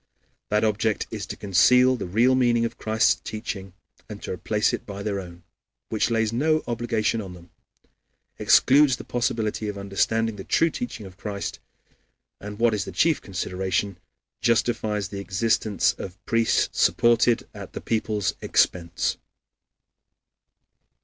That object is to conceal the real meaning of Christ's teaching and to replace it by their own, which lays no obligation on them, excludes the possibility of understanding the true teaching of Christ, and what is the chief consideration, justifies the existence of priests supported at the people's expense.